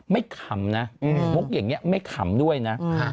ขำนะมุกอย่างนี้ไม่ขำด้วยนะ